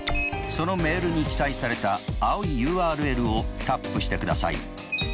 そのメールに記載された青いＵＲＬをタップしてください。